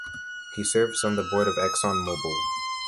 He serves on the board of ExxonMobil.